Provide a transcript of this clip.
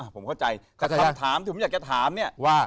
ผมเข้าใจแต่คำถามที่ผมอยากจะถามเนี่ยว่า